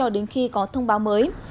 đến khi có thông báo mới